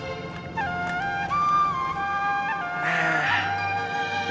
enggak enggak mau